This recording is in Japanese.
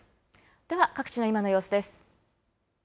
では各地の今の様子です。